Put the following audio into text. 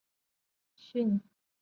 县治哈得逊。